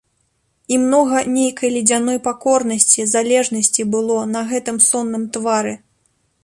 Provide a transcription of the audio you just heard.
І многа нейкай ледзяной пакорнасці, залежнасці было на гэтым сонным твары.